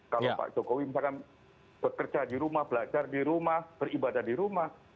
kalau pak jokowi misalkan bekerja di rumah belajar di rumah beribadah di rumah